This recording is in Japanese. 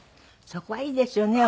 そこはいいですよね